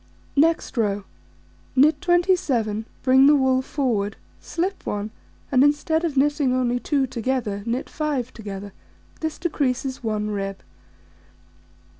Next row: Knit 27, bring the wool forward, slip 1, and instead of knitting only 2 together, knit 5 together: this decreases 1 rib.